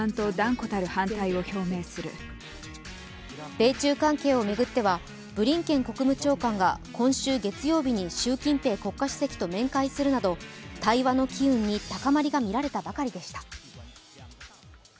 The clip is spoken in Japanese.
米中関係を巡っては、ブリンケン国務長官が今週月曜日に習近平国家主席と面会するなど、対話の機運に高まりが見られたばかりでした。